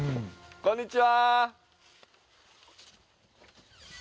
こんにちは！